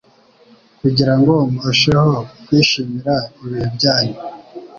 kugirango murusheho kwishimira ibihe byanyu